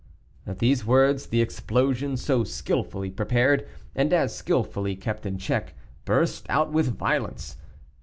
At these words the explosion so skilfully prepared and as skilfully kept in check, burst out with violence.